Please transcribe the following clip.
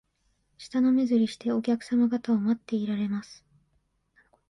舌なめずりして、お客さま方を待っていられます